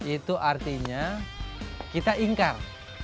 itu artinya kita ingkar